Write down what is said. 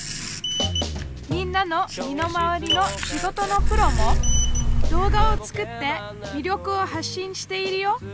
みんなの身の回りの仕事のプロも動画を作って魅力を発信しているよ。